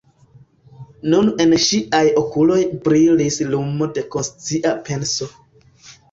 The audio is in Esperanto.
Nun en ŝiaj okuloj brilis lumo de konscia penso.